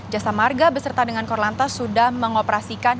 jasa marga beserta dengan korlantas sudah mengoperasikan